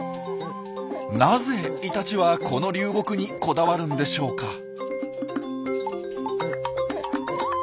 なぜイタチはこの流木にこだわるんでしょうか。